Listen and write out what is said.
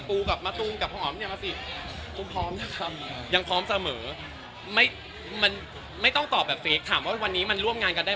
ปูกับมาตุ้งกับหอมเนี่ยมาสิ